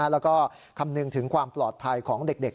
แล้วก็คำนึงถึงความปลอดภัยของเด็ก